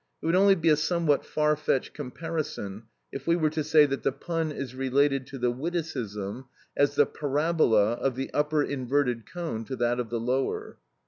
It would only be a somewhat far fetched comparison if we were to say that the pun is related to the witticism as the parabola of the upper inverted cone to that of the lower.